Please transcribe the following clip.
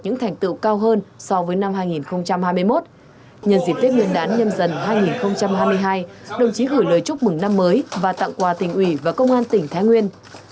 nhân dịp tết nguyên đán nhâm dần hai nghìn hai mươi hai đồng chí gửi lời chúc mừng năm mới và tặng quà tỉnh ủy và công an tỉnh thái nguyên